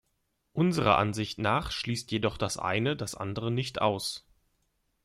Unserer Ansicht nach schließt jedoch das eine das andere nicht aus.